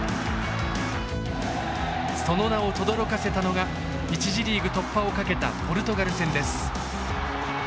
その名をとどろかせたのが１次リーグ突破をかけたポルトガル戦です。